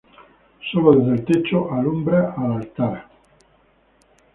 Solo desde el techo alumbra al altar.